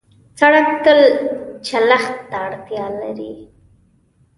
سړک تل چلښت ته اړتیا لري.